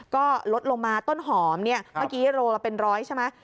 ก็ลดลงมาต้นหอมเมื่อกี้โรลละเป็น๑๐๐ใช่ไหม